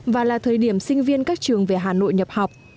và là thời điểm sinh viên các trường về hà nội nhập học